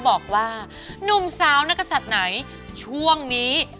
บอกว่านุ่มสาวนักศัตริย์ไหนช่วงนี้